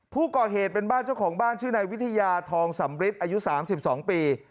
ผู้ก่อเหตุเป็นบ้านเจ้าของบ้านชื่อนายวิทยาทองสำริทอายุ๓๒ปี